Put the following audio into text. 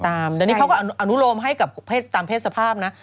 แต่นี่เขาก็อนุโลมให้กับตามเพศสภาพนะ